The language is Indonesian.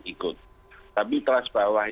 ikut tapi kelas bawah